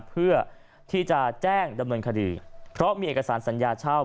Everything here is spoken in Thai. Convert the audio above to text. เพื่อที่จะแจ้งดำเนินคดีเพราะมีเอกสารสัญญาเช่า